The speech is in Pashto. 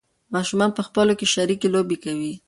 ماشومان په خپلو کې شریکې لوبې کوي.